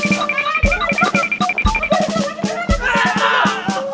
sampai kita tuh